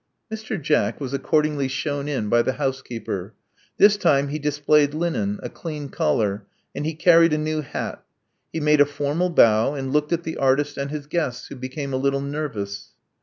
Mr. Jack was accordingly shewn in by the house keeper. This time, he displayed linen — a clean collar; and he carried a new hat. He made a formal bow, and looked at the artist and his guests, who became a little nervous.